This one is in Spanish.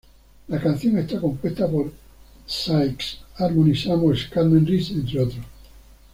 La canción está compuesta por Sykes, Harmony Samuels, Carmen Reece entre otros.